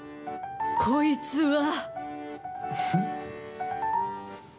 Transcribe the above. こいつは！